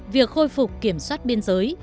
việc khôi phục kiểm soát biên giới